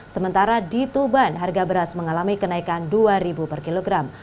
sementara di tuban harga beras mengalami kenaikan rp dua per kilogram